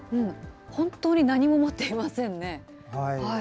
本当に何も持っていませんね。